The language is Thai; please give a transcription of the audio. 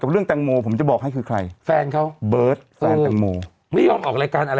เรื่องแตงโมผมจะบอกให้คือใครแฟนเขาเบิร์ตแฟนแตงโมไม่ยอมออกรายการอะไร